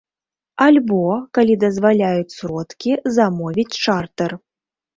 Альбо, калі дазваляюць сродкі, замовіць чартэр.